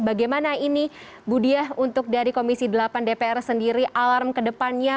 bagaimana ini bu diah untuk dari komisi delapan dpr sendiri alarm ke depannya